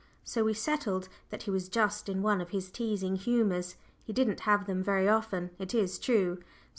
So we settled that he was just in one of his teasing humours; he didn't have them very often, it is true.